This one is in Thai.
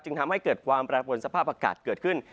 ทำให้เกิดความแปรปวนสภาพอากาศเกิดขึ้น